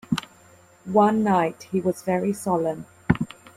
One night he was very solemn.